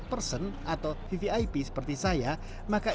person atau vvip seperti saya maka